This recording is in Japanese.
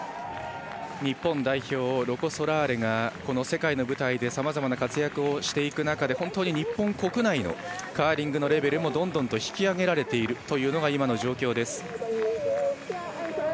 日本代表ロコ・ソラーレがこの世界の舞台でさまざまな活躍をしていく中で本当に日本国内のカーリングのレベルもどんどん引き上げられているというのが今の状況です。